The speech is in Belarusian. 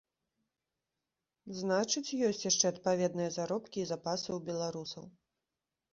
Значыць, ёсць яшчэ адпаведныя заробкі і запасы ў беларусаў.